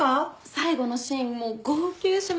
最後のシーンもう号泣しました。